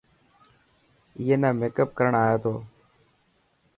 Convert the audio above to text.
ائي نا ميڪپ ڪرڻ آئي تو.